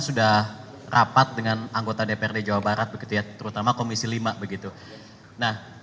sudah rapat dengan anggota dprd jawa barat begitu ya terutama komisi lima begitu nah